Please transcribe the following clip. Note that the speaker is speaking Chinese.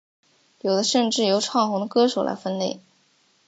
有的甚至由唱红的歌手来分类。